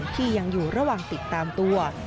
ที่ยังอยู่ระหว่างติดตามตัว